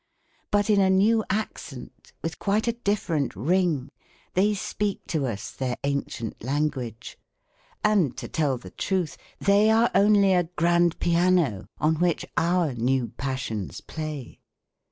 But in a new accent with quite a different ring, they speak to us their ancient language; and to tell the truth, they are only a grand piano on which our new passions play.